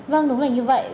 vâng đúng là như vậy